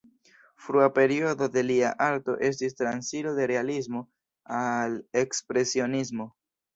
Frua periodo de lia arto estis transiro de realismo al ekspresionismo.